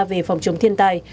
về phòng chống thiên tai